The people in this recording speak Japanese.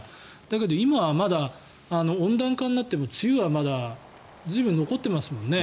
でも、今は温暖化になって梅雨はまだ随分残ってますもんね。